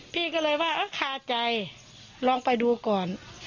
พี่ก็เลยว่าคาใจลองไปดูก่อน